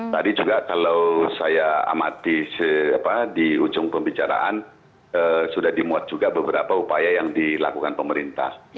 tadi juga kalau saya amati di ujung pembicaraan sudah dimuat juga beberapa upaya yang dilakukan pemerintah